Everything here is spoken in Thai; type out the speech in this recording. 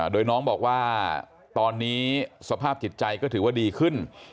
โดยน้องบอกว่าตอนนี้สภาพจิตใจก็ถือว่าดีขึ้น